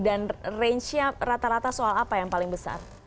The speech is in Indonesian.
dan range nya rata rata soal apa yang paling besar